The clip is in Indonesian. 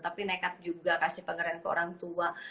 tapi nekat juga kasih pengertian ke orang tua